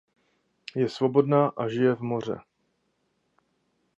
Je svobodná a žije v Moře.